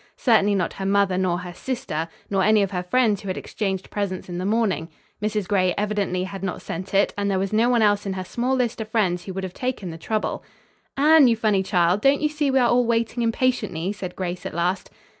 Certainly not her mother nor her sister, nor any of her friends who had exchanged presents in the morning. Mrs. Gray evidently had not sent it and there was no one else in her small list of friends who would have taken the trouble. "Anne, you funny child, don't you see we are all waiting impatiently?" said Grace at last.